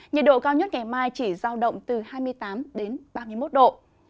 nhiệt độ cao nhất ngày mai chỉ giao động từ hai mươi tám đến ba mươi một độ